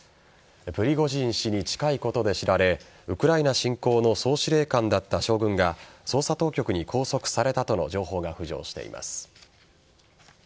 プリゴジン氏に近いことで知られウクライナ侵攻の総司令官だった将軍が捜査当局に拘束されたとの情報が浮上しています。